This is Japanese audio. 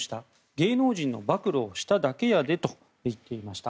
芸能人の暴露をしただけやでと言っていました。